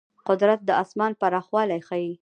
قدرت د آسمان پراخوالی ښيي.